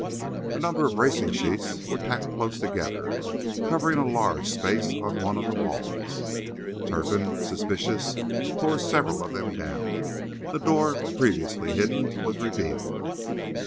A number of racing sheets were tacked close together, covering a large space on one of the walls. Turpin, suspicious, tore several of them down. A door, previously hidden, was revealed.